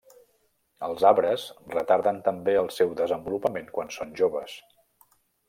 Els arbres retarden també el seu desenvolupament quan són joves.